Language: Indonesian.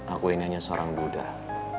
aku ini hanya seorang buddha